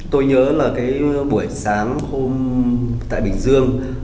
tôi nhớ là cái buổi sáng hôm tại bình dương